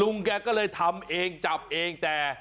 แกก็เลยทำเองจับเองแต่